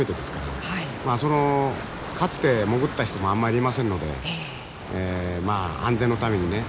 まあそのかつて潜った人もあんまりいませんのでまあ安全のためにね